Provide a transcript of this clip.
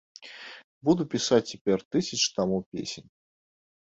Буду пісаць цяпер тысячы тамоў песень.